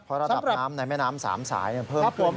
เพราะระดับน้ำในแม่น้ำสามสายเพิ่ม